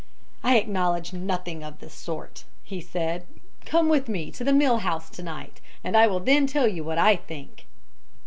"I acknowledge nothing of the sort," he said. "Come with me to the mill house to night, and I will then tell you what I think."